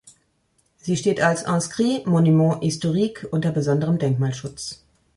Sie steht als Inscrit Monument Historique unter besonderem Denkmalschutz.